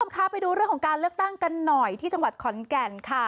ค่ะไปดูเรื่องของการเลือกตั้งกันหน่อยที่จังหวัดขอนแก่นค่ะ